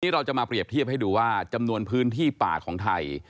เราจะมาเปรียบเทียบให้ดูว่าจำนวนพื้นที่ป่าของไทย